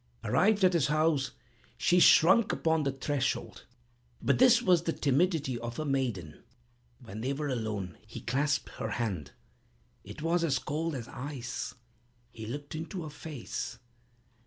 Arrived at his house, she shrunk upon the threshold: but this was the timidity of a maiden. When they were alone he clasped her hand—it was as cold as ice! He looked into her face.